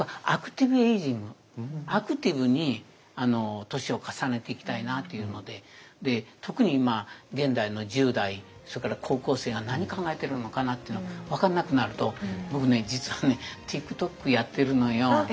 僕はアクティブに年を重ねていきたいなというので特に今現代の１０代それから高校生が何考えてるのかなっていうの分からなくなると僕ね実はねＴｉｋＴｏｋやってるのよ。